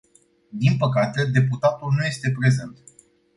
Din păcate, deputatul nu este prezent.